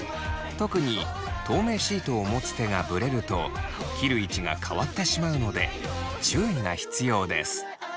特に透明シートを持つ手がぶれると切る位置が変わってしまうので注意が必要です。